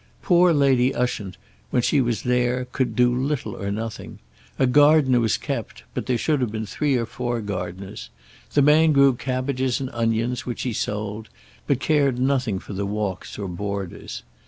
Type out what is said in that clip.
Poor Lady Ushant, when she was there, could do little or nothing. A gardener was kept, but there should have been three or four gardeners. The man grew cabbages and onions, which he sold, but cared nothing for the walks or borders.